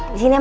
di sini amat